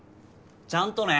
ちゃんとね。